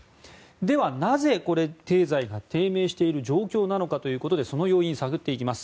では、なぜ経済が低迷している状況なのかその要因を探っていきます。